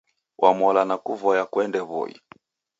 Wamola nakuvoya kuende W'oi